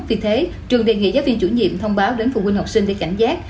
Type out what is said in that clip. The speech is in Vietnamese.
vì thế trường đề nghị giáo viên chủ nhiệm thông báo đến phụ huynh học sinh để cảnh giác